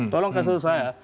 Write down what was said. tolong kasih draftnya